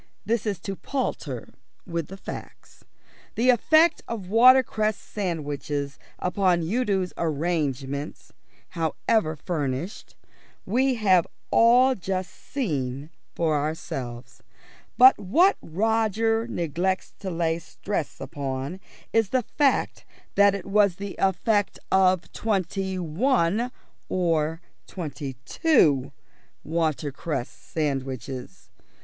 This is to palter with the facts. The effect of watercress sandwiches upon Udo's arrangements (however furnished) we have all just seen for ourselves; but what Roger neglects to lay stress upon is the fact that it was the effect of twenty one or twenty two watercress sandwiches.